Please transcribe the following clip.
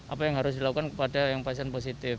apa yang harus dilakukan kepada yang pasien positif